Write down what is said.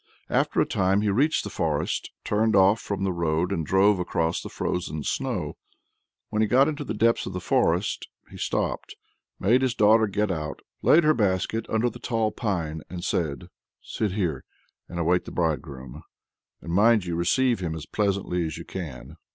After a time, he reached the forest, turned off from the road; and drove across the frozen snow. When he got into the depths of the forest, he stopped, made his daughter get out, laid her basket under the tall pine, and said: "Sit here, and await the bridegroom. And mind you receive him as pleasantly as you can."